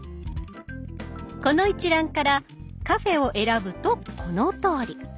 この一覧から「カフェ」を選ぶとこのとおり。